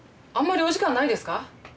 あんまりお時間ないですか？